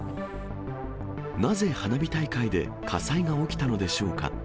なぜ花火大会で火災が起きたのでしょうか。